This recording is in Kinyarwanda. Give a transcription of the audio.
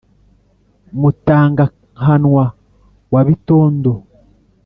mutanga-nkanwa wa bitondo,